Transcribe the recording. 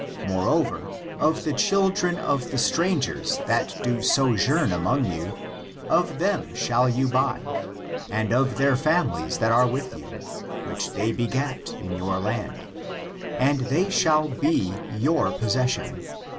Moreover, of [from] the children of the strangers that do sojourn among you, of them shall you buy, and of their families, that are with you, which they begat in your land: and they shall be your possession.